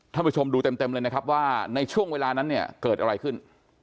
ท่านผู้ชมดูเต็มเลยนะครับว่าในช่วงเวลานั้นเนี่ยเกิดอะไรขึ้น